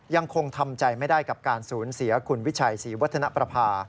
ยังคงทำใจไม่ได้กับการสูญเสียคุณวิชัยศรีวัฒนประภา